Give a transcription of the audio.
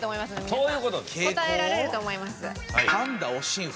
答えられると思います。